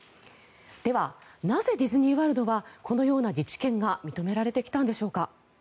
ではなぜディズニー・ワールドはこのような自治権が認められてきたんでしょうか。